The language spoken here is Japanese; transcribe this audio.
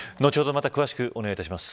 また詳しくお願いします。